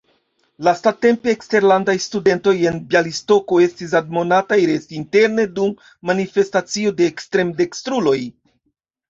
Lastatempe eksterlandaj studentoj en Bjalistoko estis admonataj resti interne dum manifestacio de ekstremdekstruloj.